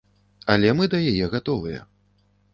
Але мы да яе гатовыя.